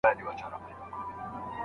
پوتنشیاله جاذبه انرژي د انفجار لامل کېږي.